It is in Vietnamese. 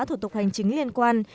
thủ tục hành chính liên quan